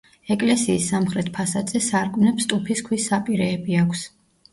ეკლესიის სამხრეთ ფასადზე სარკმლებს ტუფის ქვის საპირეები აქვს.